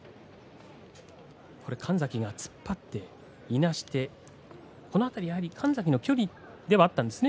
神崎が突っ張っていなしてこの辺り、やはり神崎の距離ではあったんですね